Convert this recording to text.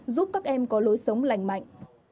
giúp các em có lối sống lành mạnh